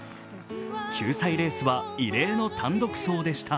救済レースは異例の単独走でした。